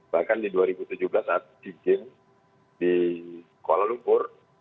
bahkan di dua ribu tujuh belas saat sea games di kuala lumpur